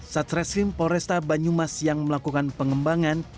satreskrim polresta banyumas yang melakukan pengembangan